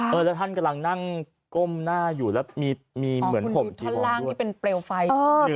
แล้วท่านกำลังนั่งก้มหน้าอยู่แล้วมีเหมือนผมที่เป็นเปรียวไฟ